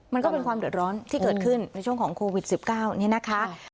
มันก็เป็นความเดือดร้อนที่เกิดขึ้นในช่วงของโควิด๑๙นี่นะคะ